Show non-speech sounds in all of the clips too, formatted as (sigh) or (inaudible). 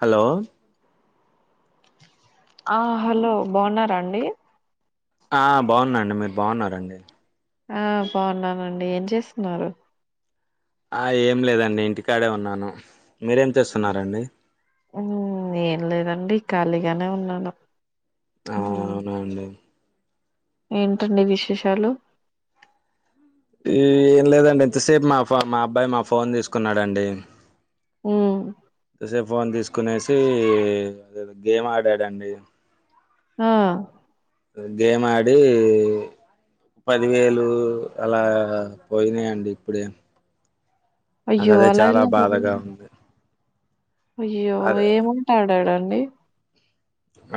Hello ఆ hello బావున్నారండి ఆ బావున్నా అండి మీరు బావున్నార అండి ఆ బావున్నానండి ఏం చేస్తున్నారు ఆ ఏం లేదండి ఇంటికాడే ఉన్నాను మీరేం చేస్తున్నారండి మ్మ్ ఏం లేదండి ఖాళీగానే ఉన్నాను ఆ అవునండి ఏంటండీ విశేషాలు ఈ ఏం లేదండి ఎంతసేపు మా ఫ మా అబ్బాయి మా ఫోన్ తీసుకున్నాడండి మ్మ్ తసేపు ఫోన్ తీసుకునేసి గేమ్ ఆడాడండి ఆ గేమ్ ఆడి పదివేలు అలా పోయినాయి అండి ఇప్పుడే నాకు అయ్యో అదే అలా చాలా ఎలా బాధగా ఉంది అయ్యో అదే ఏం ఆట ఆడాడండి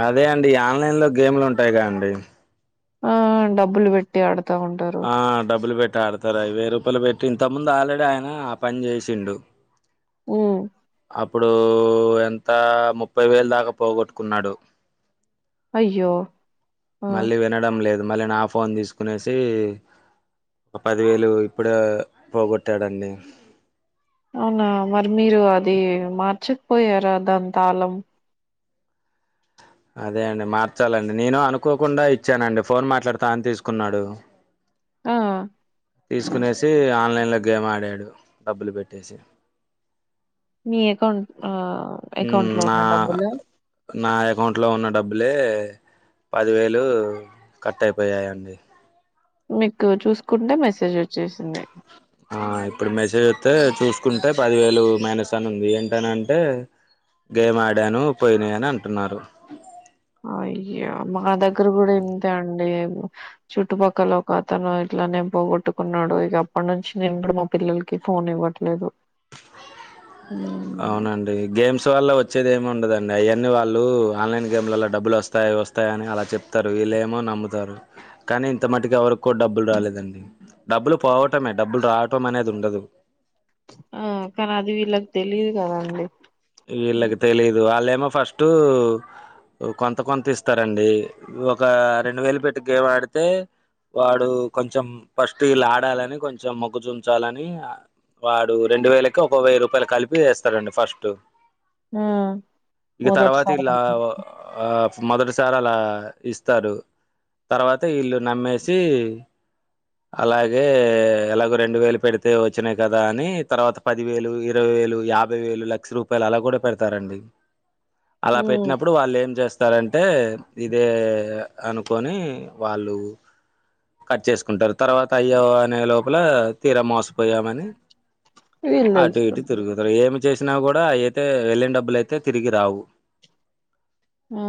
అదే అండి ఆన్లైన్ లో గేమ్లు ఉంటాయిగా అండి ఆ డబ్బులు పెట్టి అడు ఆ డబ్బులు పెట్ ట్టీ ఆడతారు వెయ్యి రూపాయలు పెట్టి ఇంతకుముందు ఆల్రెడీ ఆయన ఆ పని చేసిండు మ్మ్ అప్పుడు ఎంత ముప్పై వేలు దాకా పోగొట్టుకున్నాడు అయ్యో ఆ మళ్ళీ వినడం లేదు మళ్ళీ నా ఫోన్ తీసుకునేసి ఒక పదివేలు ఇప్పుడే పోగొట్టాడండి అవునా మరి మీరు అది మార్చకపోయారా దాన్ తాళం అదే అండి మార్చాలండి నేను అనుకోకుండా ఇచ్చానండి ఫోన్ మాట్లాడుతా అని తీసుకున్నాడు ఆ తీసుకునేసి ఆన్లైన్లో గేమ్ ఆడాడు డబ్బులు పెట్టేసి మీ అకౌంట్ ఆ అకౌంట్ మ్ లో నా ఉన్న డబ్బులు నా అకౌంట్ లో ఉన్న డబ్బులే పదివేలు కట్ అయిపోయాయండి మీకు చూసుకుంటే మెసేజ్ వచ్చేసింది ఆ ఇప్పుడు మెసేజ్ వత్తే చూసుకుంటే పదివేలు మైనస్ అని ఉంది ఏంటనంటే గేమ్ ఆడాను పోయినాయని అంటున్నారు అయ్యో మా దగ్గర కూడా ఇంతే అండి చుట్టుపక్కల ఒక అతను ఇట్ల ఇట్లనే పోగొట్టుకున్నాడు ఇగ అప్పటి నుంచి నేను కూడా మా పిల్లలకి ఫోన్ ఇవ్వట్లేదు వున అవునండి గేమ్స్ వల్ల వచ్చేది ఏమి ఉండదండి అయన్నీ వాళ్ళు ఆన్లైన్ గేమ్లలల్లో డబ్బులు వస్తాయి వస్తాయని అలా చెప్తారు వీళ్ళేమో నమ్ముతారు కానీ ఇంత మటుకి ఎవరికి కూడా డబ్బులు రాలేదండి డబ్బులు పోవటమే డబ్బులు రావటం అనేది ఉండదు ఆ కానీ అది వీళ్ళకి తెలిదు కదండి వీళ్ళకి తెలిదు వాళ్ళేమో ఫస్టు కొంత కొంత ఇస్తారండి ఒక రెండు వేలు పెట్టి గేమ్ ఆడితే వాడు కొంచెం ఫస్ట్ ఇలా ఆడాలని కొంచెం మొగ్గు చుంచాలని ఆ వాడు రెండు వేలకు ఒక వెయ్యి రూపాయలు కలిపి వేస్తారండి ఫస్ట్ ఆ ఇగ తర్వాత మొదటిసారి ఇలా ఓ ఆ మొదటిసారి అలా ఇస్తారు తర్వాత వీళ్ళు నమ్మేసి అలాగే ఎలాగో రెండు వేలు పెడితే వచ్చినాయి కదా అని తర్వాత పదివేలు ఇరవై యాభై వేలు లక్ష రూపాయలు అలా కూడా పెడతారండి అలా మ్మ్ పెట్టినప్పుడు వాళ్ళు ఏం చేస్తా చేస్తారంటే ఇదే అనుకొని వాళ్ళు కట్ చేసుకుంటారు తర్వాత అయ్యే అనే లోపల తీర మోసపోయాము అని వీళ్ళు అటు ఇటు తెలుసుకుంటారు తిరుగుతారు ఏమి చేసినా కూడా అ అయితే వెళ్ళిన డబ్బులు అయితే తిరిగి రావు ఆ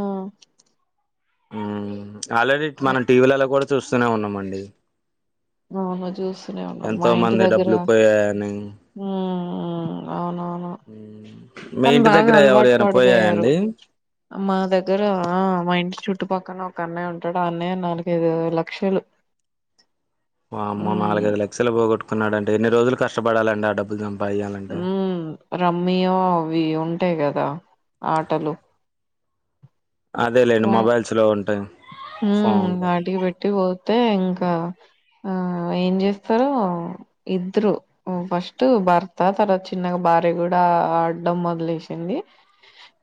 హ్మ్మ్ ఆల్రెడీ మనం టీవీలలో కూడా చూస్తూనే ఉన్నామండి అవును చూస్తూనే ఉన్నాము మా ఎంతో ఇంటి మంది దగ్గర డబ్బులు పోయాయని హ్మ్మ్ అవును హ్మ్మ్ కానీ బాగా అలవాటు పడిపోయారు మా దగ్గర మా ఇంటి చుట్ ఇంటిపక్కన ఒక అన్నయ్య ఉంటాడు ఆ అన్నయ్య నాలుగైదు లక్షలు వామ్మో మ్మ్ నాలుగైదు లక్షలు పోగొటుకున్నాడాంటే ఎన్ని రోజులు కష్టపడాలండి ఆ డబ్బు సం ఉ రమ్మిఓ అవి ఉంటాయి కదా ఆటలు అదేలేండి మొబైల్స్లో ఉంటాయి హ్మ్మ్ ఫోన్లో అటికి పెట్టి పోతే ఇంకా ఆ ఏం చేస్తారు ఇద్దరు ఫస్ట్ భర్త తర్వాత చిన్నగా బా వారి కూడా ఆడడం మొదలేసింది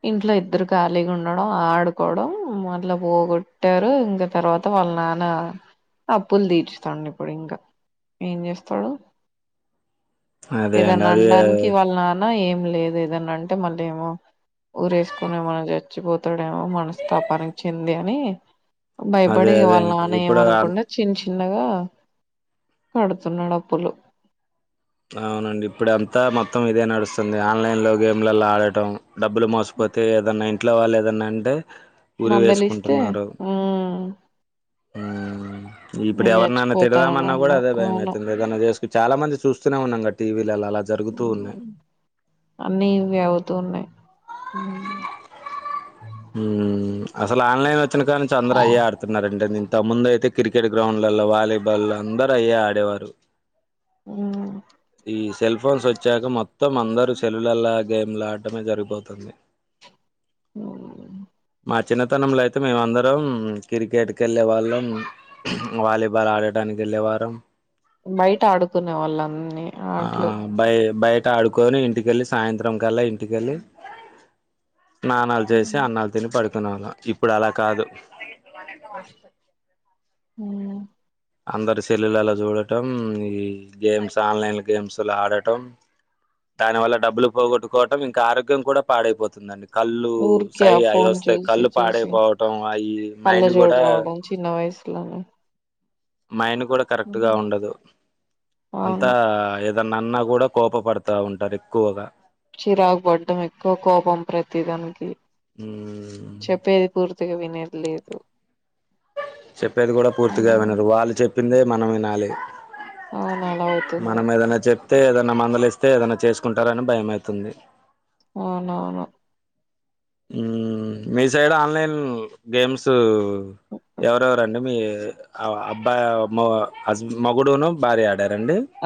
ఇంట్లో ఇద్దరు ఖాళీగా ఉండడం ఆడుకోవడం మళ్ల పోగొ పెట్టారు ఇంక తర్వాత వాళ్ళ నాన్న అప్పులు తీర్చుతాండు ఇప్పుడు ఇంకా ఏం చేస్తాడు అదే అండి ఏదన్నా అదే అనడానికి వాళ్ళ నాన్న ఏం లేదు ఏదన్న అంటే మళ్ళ ఏమో ఊరేసుకొని మన చచ్చిపోతాడు ప్రేమ మనస్తాపానికి చెంది అని అదే భయపడిే అదే వాళ్ళం అండి అని ఇప్పుడు ఏమనకుండా చి చిన్నగా కడుతున్నాడు అప్పులు అవునండి ఇప్పుడ అంతా మొత్తం ఇదే నడుస్తుంది ఆన్లైన్ లో గేమ్లలో ఆడటం డబ్బులు మోసపోతే ఏదన్నా ఇంట్లో వాళ్ళు ఏదన్నా అంటే ఉరి మందలిస్తే వేసుకుంటున్నారు మ్మ్ హ్మ్మ్ ఇప్పుడు నేను ఎవరినైనా తీడడమన్నా కూడా చచ్చిపోతానన్నా అదే అవును భయమవుతుంది ఏదైనా చేసుకు చాలా మంది చూస్తనే ఉన్నాం గా టీవీ అన్నీ ఇవే అవుతూ ఉన్నాయి హ్మ్మ్ అసలు ఆన్లైన్ వచ్చిన కానుంచి అందరూ అయ్యే ఆడుతున్నారంటే ఇంతకు ముందు అయితే క్రికెట్ గ్రౌండ్ లో వాలీబాల్ అందరు అయ్యే ఆడేవారు ఉ ఈ సెల్ ఫోన్స్ వచ్చాక మొత్తం అందరుూ సెల్లుల్లో గేమ్లు ఆడటమే జరిగిపోతుంది అ మా చిన్నతనంలో అయితే మేమ అందరం క్రికెట్కి వెళ్ళే వాళ్ళం వాలీబాల్ ఆడటనికి గెల్లెవరం బయట ఆడుకునే వాళ్ళం ఆ బయ బయ బట్ట ఆడుకొని ఇంటికెళ్ళి సాయంత్రం కల్లా ఇంటికెళ్ళి స్నానాలు చేసి అన్నాలు తిని పడుకునే వాళ్ళం ఇప్పుడు అలా కాదు హ్మ్మ్ అందరి సెల్యులలో చూడటం ఈ గేమ్స్ ఆన్లైన్ గేమ్స్లు ఆడటం దాని వల్ల డబ్బులు పోగొట్టుకోవటం ఇంకా ఆరోగ్యం కూడా పాడైపోతుందండి కళ్ళు ఊరికే సై ఆ అవి ఫోన్ వస్తే చూసి కళ్ళు చూసి పాడైపోవటం అవి మైండ్ కూడా స్లానే మైండ్ కూడా కరెక్ట్ గా ఉండదు అంతా అవును ఏ దన్ అన్నా కూడా కోప పడతా ఉంటారు ఎక్కువగా చిరాకు పడ్డం ఎక్కువ కోపం ప్రతీదానికి ఉమ్, చెప్పేది పూర్ తిగా వినేది లేదు చెప్పేది కూడా పూర్తిగా వినరు వాళ్ళు చెప్పిందే మనం వినాలి అవును అలా అవుతుంది మనం ఏదాన్నా చెప్ తే ఏదన్నా మందలిస్తే ఏదైనా చేసుకుంటారని భయమైతుంది అవునవును ఉమ్ మీ సైడ్ ఆన్లైన్ గేమ్స్ ఎవరెవరండి మీ (unintelligible) హస్ మొగుడూ నూ భార్య ఆడా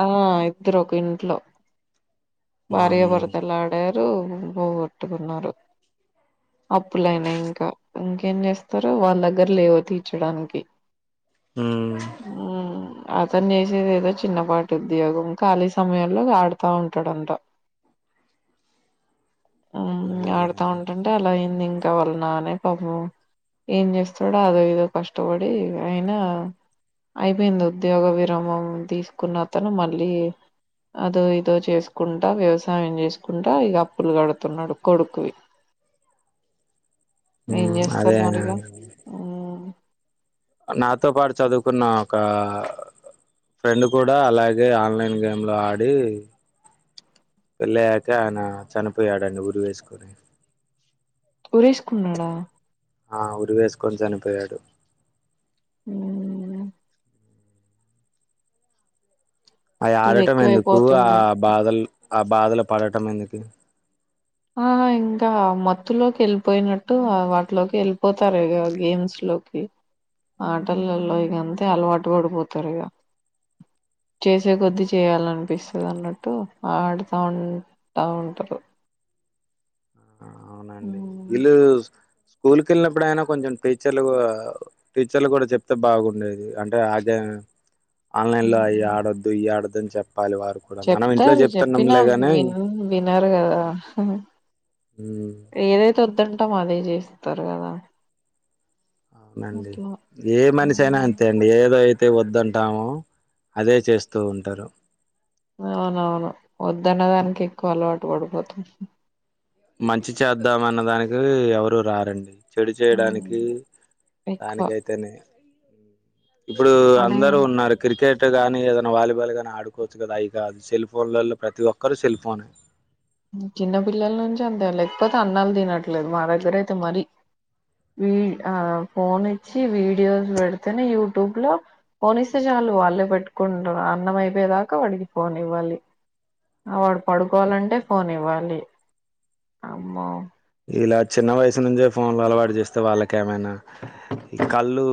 ఆ ఇద్దరు ఒక ఇంట్లో భార్య వామ్మో భర్తలు ఆడా రు పోగట్టుకున్నారు అప్పులైనాయి ఇంకా ఇంకేం చేస్తారు వాళ్ళ దగ్గర లేవు తీర్చడానికి ఉమ్ ఊ అతను చేసేది ఏదో చిన్న పా టుద్యోగం ఖాళీ సమయాల్లోగ ఆడతా ఉంటాడంట ఉమ్ ఆడతా అదేలేండి ఉంటంటే అలా అయ్యింది ఇంకా వాళ్ళ నాన్నే పాపం ఏం చేస్తాడు అదో ఏదో కష్టపడి ఆయిన అయిపోయింది ఉద్యోగ విరామం తీసుకున్న అతను మళ్ళీ అదో ఇదో చేసుకుంటా వ్యవసాయం చేసుకుంటా ఇగ అప్పులు కడుతున్నాడు కొడుకువి ఊ ఏం అదే చేస్తారు (inaudible) మరిగా మ్ నాతో పాటు చదువుకున్న ఒక ఫ్రెండ్ కూడా అలాగే ఆన్లైన్ గేమ్ లో ఆడి పెళ్ళయ్యాక ఆయన చనిపోయాడండి ఊరి వేసుకొని ఉరేసుకున్నాడా ఆ ఉరి వేసుకొని చనిపోయాడు (unintelligible) అయి ఇవి ఆడటం ఎందుకు ఆ ఎక్కువైపోతున్నాయి బాధల్ ఆ బాధలు పడటం ఎందుకు ఆహా ఇంక మత్తులోకి ఎళ్ళిపోయినట్టు ఆ వాటిలోకి ఎళ్ళిపోతారు ఇగ గేమ్స్ లో లోకి ఆటలల్లో ఇగ అంతే అలవాటు పడిపోతారు ఇగ చేసే కొద్దీ చేయాలనిపిస్తది అన్నట్టు ఆడుతా ఉం టా ఉంటారు ఉమ్, విల్లూస్ స్కూల్ కెళ్ళినప్పుడు అయినా కొంచెం టీచర్లు గా టీచర్లు కూడా చెప్తే బాగుండేది అంటే ఆగే ఆన్లైన్ లో అయి ఉమ్. ఆడద్దు ఇయి ఆడద్దు అని చ ప్పాలి వారు కూడా మనం ఇంట్లో చెప్తారు చెప్తున్నం చెప్పినా లే గానే విన్ వినరు కదా ఊ వొద్దంటాం అదే చేస్తారు కదా అవునండి అట్లా ఏ మనిషి అయినా ఉమ్, అంతే అండి ఏదో ఐ తే వద్దంటామో అదే చేస్తూ ఉంటారు అవునవును వద్దన్న దానికే ఎక్కువ అలవాటు పడిపోతాం మంచి చేద్దాం అన్న దానికి ఎవరూ రారండి చెడు ఉమ్, చేయడానికి ఎక్కువ దానికైతేనే ఇప్పుడు అదే అందరూ ఉన్నారు క్రికె అట్ కాగానీ ఏదైనా వాలీబాల్ గానీ ఆడుకోవచ్చు కదా అవి కాదు సెల్ ఫోన్లలో ప్రతి ఒక్కరు సెల్ ఫోనే చిన్న పిల్లల నుంచి అంతే లేకపోతే అన్నాలు తినట్లేదు మా దగ్గర అయితే మరీ ఆ ఫోన్ ఇచ్చి వీడియోస్ పెడితేనే యూట్యూబ్ లో ఫోన్ ఇస్తే చాలు వాళ్ళు వాళ్ళే పెట్టుకుంటారు అన్నం అయిపోయేదాకా వాడికి ఫోన్ ఇవ్వాలి ఆ వాడు పడుకోవాలంటే ఫోన్ ఇవ్వాలి అమ్మో ఇలా చిన్న వయసు నుంచే ఫోన్లు అలవాటు చేస్తే వాళ్ళకేమైనా కళ్ళు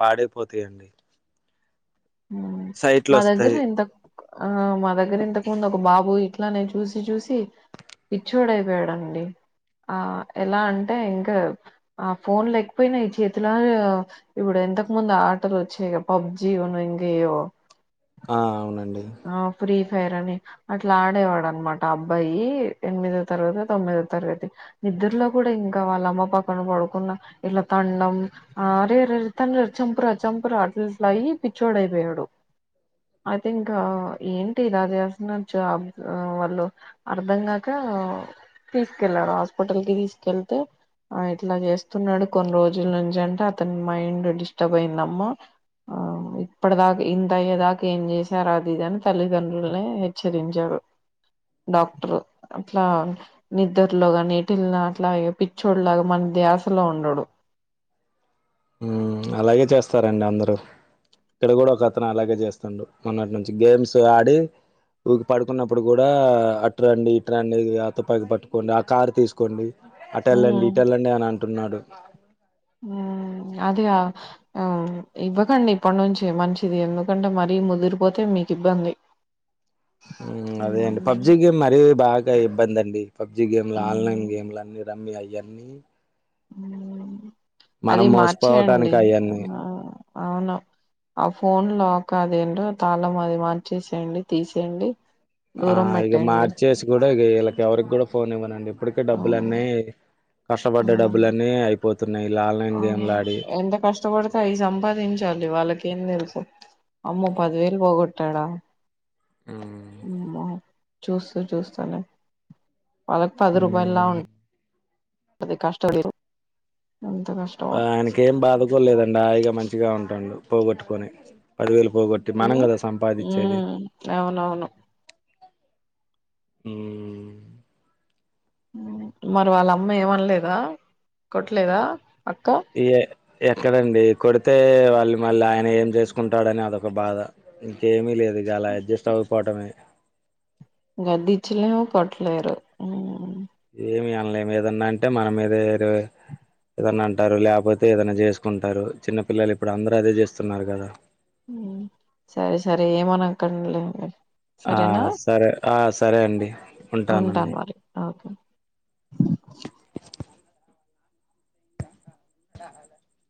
పాడైపోతాయండి మా సైట్లు దగ్గర వస్తాయి ఇంత ఆ మా దగ్గర ఇంతకు ముందు ఒక బాబు ఇట్లానే చూసి చూసి పిచ్చోడు అయిపోయాడండి ఆ ఎలా అంటే ఇంకా ఆ ఫోన్ లేకపోయినా ఈ చేతిలో ఇప్పుడ ఇంతకు ముందు ఆటలు వచ్చాయి పబ్జి ఉన్ను ఇంగయ్యో ఆ అవును ఆ ప్రీత్ ఫేర్ అని అట్లా ఆడేవాడు అనమాట అబ్బాయి ఎనిమిదో తరగతి తొమ్మిదో తరగతి ఇద్దరులో కూడా ఇంకా వాళ్ళ అమ్మ పక్కన పడుకున్న ఇట్లా తండం ఆరేరే అతండు చంపుర చంపుర అట్ అయి పిచ్చోడుయిపోయాడు ఐ థంక్ ఇంకా ఏంటి ఇలా చేస్తున్నారు జాబ్ వాళ్ళు అర్ధంగాక తీసుకెళ్లరు హాస్పిటల్ కి తీసుకెళ్తే ఆ ఇట్లా చేస్తున్నాడు కొన్ని రోజుల నుంచి అంటే అతని మైండ్ డిస్టర్బ్ అయిందమ్మా ఆ ఇప్పటి దాకా ఇంతయ్యే దాకా ఏం చేస్త రూ అదిదని తల్లిదండ్రుల లనే హెచ్చరించారు డాక్టరు అట్లా నిద్ద్రలో కానీ పుటిల్న అట్లాగ పిచ్చోడు లాగా మన ధ్యాసలో ఉండడు ఉమ్ అలాగే చేస్తారండి అందరూ ఇక్కడ కూడా ఒక అతను అలాగే చేస్తాండు మొన్నటి నుంచి గేమ్స్ ఆడి ఇకి పడుకున్నప్పుడు కూడా అట్రండి ఇట్రండి ఆ తుపాకి పట్టుకోండి ఆ కార్ తీసుకోండి అటెల్లండి ఉమ్. ఇటెలండి అని అంటున్నాడు అదే ఆ ఇవ్వకండి ఇప్పటి నుంచి మంచిది ఎందుకంటే మరీ ముదిరిపోతే మీ కు ఇబ్బంది అదే హ్మ్ అండి పబ్జి గేమ్ మరీ బాగా ఇబ్బంది అండి పబ్జి గేమ్లు ఆన్లైన్ గేమ్లు అన్ని రమ్మీ అయ్యాన్ని అది మార్చేయండి మోసపోవటానికి ఆ అయన్నీ అవును ఆ ఫోన్ లోలాక్ అది ఏంటో తాళం అది మార్చేసేయండి తీసేయండి ఆ దూరం ఇక పెట్టేయండి మార్చేసి కూడా ఇవీలాకి ఎవరికి కూడా ఫోన్ ఇవ్వనండి ఇప్పటికే డబ్బులు మ్మ్. అన్నాయి కష్టపడ్డ మ్మ్. డబ్బులున్నీ అయిపోతున్నాయి ఇలా ఆన్లైన్ ఆ గేమ్లు ఆడి వాళ్ళకి ఏం తెలుసు అమ్మో పదివేలు పోగొట్టాడా అమ్మో చూస్తూ చూస్తూనే వాళ్ళకి పది రూపాయలులా ఉంట అది కష్ట లేరు ఆయనకి ఏం బాధకోలేదండి హాయిగా మంచిగా ఉంటాండు పోగొట్టుకొని పదివేలు పోగొట్టి మనం ఉమ్ కదా సంపాదించేది ఉమ్ అవునవును మ్మ్ మరి వాళ్ళ అమ్మ ఏమనలేదా కొట్టలేదా పక్క ఏ ఎక్కడండి కొడితే వాళ్ళు మళ్ళీ ఆయన ఏం చేసుకుంటాడని అదొక బాధ ఇంకేమీ లేదు అది అలా అడ్జస్ట్ అవ్వపోవటమే గద్దించలేము కొట్టలేరు ఏమి అనలేము ఏదన్నా అంటే మన మీద ఏదో ఏదన్నా అంటారు లేకపోతే ఏదన్న చేసుకుంటారు చిన్న పిల్లలు ఇప్పుడు అందరు అదే చేస్తున్నారు కదా సరే సరే ఏమనకండి లేండి ఆ సరేనా సరే ఆ సరే అండి ఉంటాను ఉంటానండి మరి ఓకే (unintelligible)